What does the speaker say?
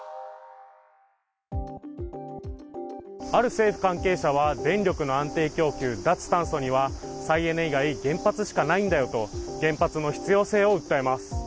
ある政府関係者は電力の安定供給・脱炭素には再エネ以外原発しかないんだよと、原発の必要性を訴えます。